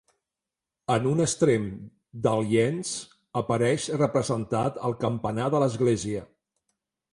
En un extrem del llenç apareix representat el campanar de l'església.